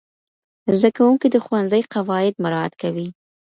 زدهکوونکي د ښوونځي قواعد مراعت کوي.